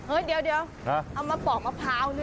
เฮ้ยเดี๋ยวเอามาปอกมะพร้าวด้วย